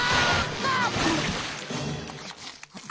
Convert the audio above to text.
あ！